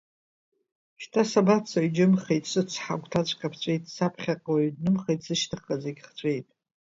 Шьҭа сабацои џьымхеит, сыцҳа агәҭаҵәҟьа ԥҵәеит, саԥхьаҟа уаҩ днымхеит, сышьҭахьҟа зегь хҵәеит!